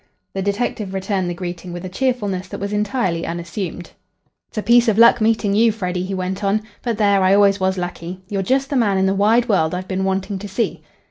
The detective returned the greeting with a cheerfulness that was entirely unassumed. "It's a piece of luck meeting you, Freddy," he went on. "But there, I always was lucky. You're just the man in the wide world I've been wanting to see."